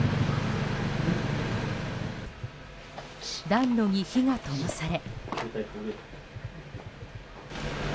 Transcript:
暖炉に火がともされ。